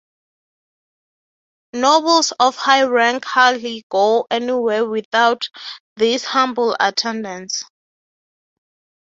Nobles of high rank hardly go anywhere without these humble attendants.